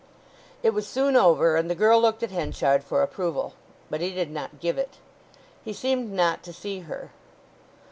It was soon over, and the girl looked at Henchard for approval; but he did not give it. He seemed not to see her.